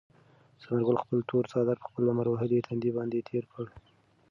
ثمر ګل خپل تور څادر په خپل لمر وهلي تندي باندې تېر کړ.